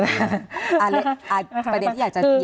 ประเด็นที่อยากจะยิบขึ้นมา